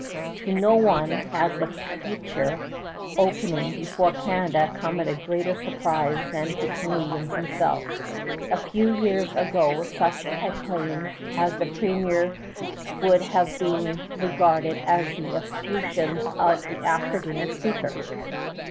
To no one has the future opening before Canada come as a greater surprise than to Canadians themselves. A few years ago such a claim as the Premier's would have been regarded as the effusions of the after dinner speaker.